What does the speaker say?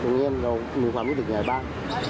เรามีความรู้สึกยังไงบ้าง